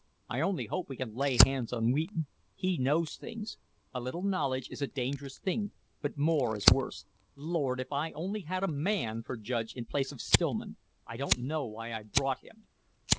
I only hope we can lay hands on Wheaton. He knows things. A little knowledge is a dangerous thing, but more is worse. Lord! If only I had a MAN for judge in place of Stillman! I don't know why I brought him."